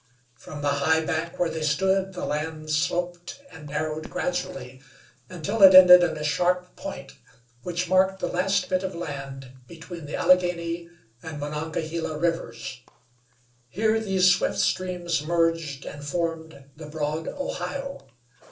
From the high bank where they stood the land sloped and narrowed gradually until it ended in a sharp point which marked the last bit of land between the Allegheny and Monongahela rivers. Here these swift streams merged and formed the broad Ohio.